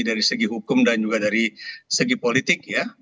dari segi hukum dan juga dari segi politik ya